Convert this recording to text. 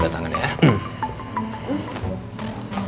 gak ada yang nanya banget ya